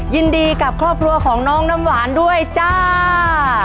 ยินดีกับครอบครัวของน้องน้ำหวานด้วยจ้า